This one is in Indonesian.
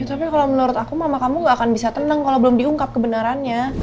tapi kalau menurut aku mama kamu gak akan bisa tenang kalau belum diungkap kebenarannya